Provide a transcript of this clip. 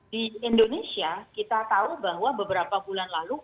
di indonesia kita tahu bahwa beberapa bulan lalu